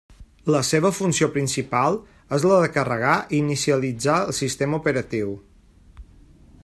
La seva funció principal és la de carregar i inicialitzar el sistema operatiu.